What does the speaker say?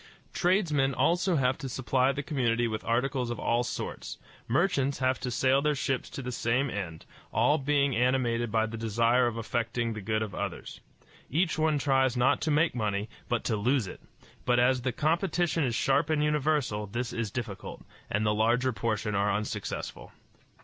Tradesmen also have to supply the community with articles of all sorts; merchants have to sail their ships to the same end all being animated by the desire of effecting the good of others. Each one tries not to make money, but to lose it; but as the competition is sharp and universal, this is difficult, and the larger portion are unsuccessful.